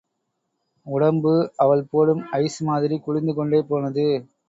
உடம்பு, அவள் போடும் ஐஸ் மாதிரி குளிர்ந்து கொண்டே போனது.